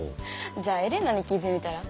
じゃあエレナに聞いてみたら？